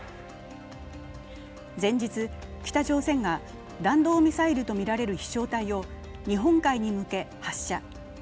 前日、北朝鮮が弾道ミサイルとみられる飛翔体を日本海に向け発射。